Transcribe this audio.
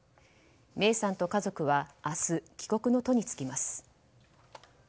芽生さんと家族は明日、帰国の途に就きます。